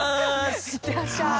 行ってらっしゃい。